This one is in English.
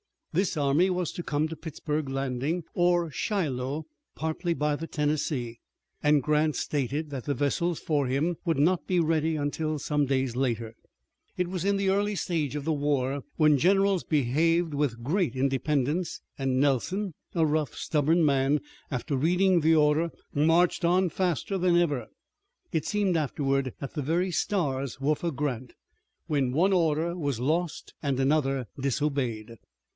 This army was to come to Pittsburg Landing or Shiloh partly by the Tennessee, and Grant stated that the vessels for him would not be ready until some days later. It was the early stage of the war when generals behaved with great independence, and Nelson, a rough, stubborn man, after reading the order marched on faster than ever. It seemed afterward that the very stars were for Grant, when one order was lost, and another disobeyed.